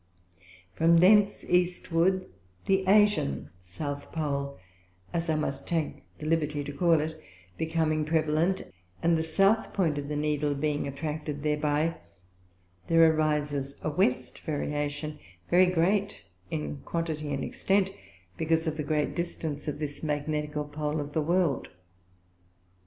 From thence Eastwards, the Asian South Pole (as I must take the liberty to call it) becoming prevalent, and the South point of the Needle being attracted thereby, there arises a West Variation, very great in quantity and extent, because of the great distance of this Magnetical Pole of the World.